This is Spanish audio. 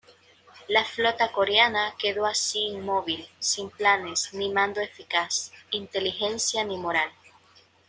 La flota coreana quedó así inmóvil, sin planes, ni mando eficaz, inteligencia ni moral.